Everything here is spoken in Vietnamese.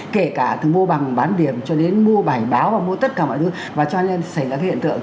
kể cả từ mua bằng bán điểm cho đến mua bài báo và mua tất cả mọi thứ và cho nên xảy ra cái hiện tượng